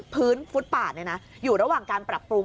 ฟุตป่าอยู่ระหว่างการปรับปรุง